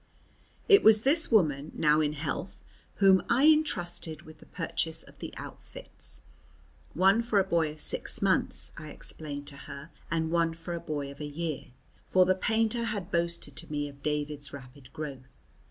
It was this woman, now in health, whom I intrusted with the purchase of the outfits, "one for a boy of six months," I explained to her, "and one for a boy of a year," for the painter had boasted to me of David's rapid growth.